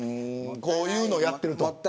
こういうのやってると。